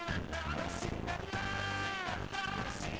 aku harap ibu akan kembali